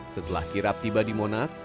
setelah kirap tiba di monas